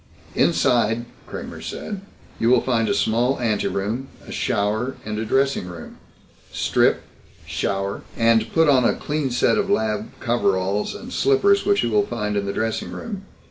"Inside," Kramer said, "you will find a small anteroom, a shower, and a dressing room. Strip, shower, and put on a clean set of lab coveralls and slippers which you will find in the dressing room.